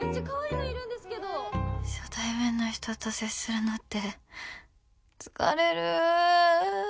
初対面の人と接するのって疲れる。